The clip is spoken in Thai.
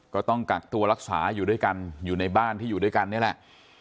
ก็ต้องกักตัวรักษาอยู่ด้วยกันอยู่ในบ้านที่อยู่ด้วยกันนี่แหละ